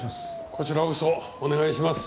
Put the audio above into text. こちらこそお願いします。